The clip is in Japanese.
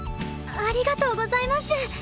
ありがとうございます。